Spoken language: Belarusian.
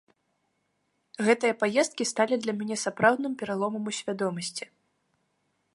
Гэтыя паездкі сталі для мяне сапраўдным пераломам у свядомасці.